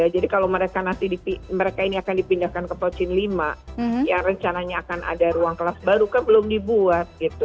jadi kalau mereka ini akan dipindahkan ke pochin lima ya rencananya akan ada ruang kelas baru kan belum dibuat gitu